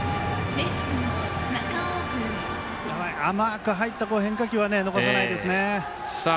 甘く入った変化球は逃さないですね。